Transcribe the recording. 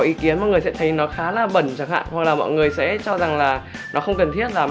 ý kiến mọi người sẽ thấy nó khá là bẩn chẳng hạn hoặc là mọi người sẽ cho rằng là nó không cần thiết lắm